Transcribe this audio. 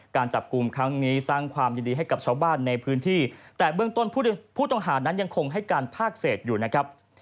การจับกลุ่มครั้งนี้สร้างความยินดีให้กับชาวบ้านในพื้นที่แต่เบื้องต้นผู้ต้องหานั้นยังคงให้การภาคเศษอยู่นะครับ